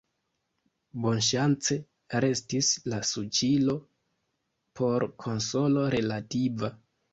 Bonŝance, restis la suĉilo por konsolo relativa.